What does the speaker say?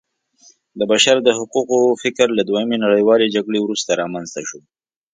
د بشر د حقونو فکر له دویمې نړیوالې جګړې وروسته رامنځته شو.